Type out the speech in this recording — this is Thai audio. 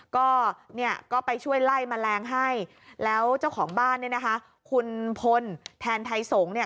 ก็เนี่ยก็ไปช่วยไล่แมลงให้แล้วเจ้าของบ้านเนี่ยนะคะคุณพลแทนไทยสงฆ์เนี่ย